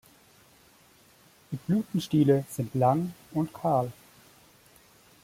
Die Blütenstiele sind lang und kahl.